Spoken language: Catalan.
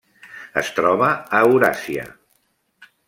Es troba a Euràsia.